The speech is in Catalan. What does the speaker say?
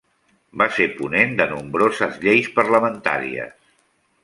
Va ser ponent de nombroses lleis parlamentàries.